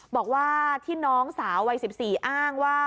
บอกว่าที่น้องสาววัย๑๔อ้างว่า